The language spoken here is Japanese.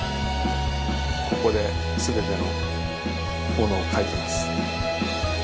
ここで全てのものを書いてます。